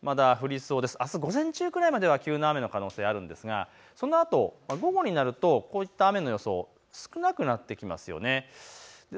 あす午前中ぐらいまでは急な雨の可能性があるんですがそのあと午後になるとこういった雨の予想、少なくなってきますね。